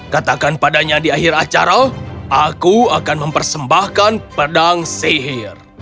katakan padanya di akhir acara aku akan mempersembahkan pedang sihir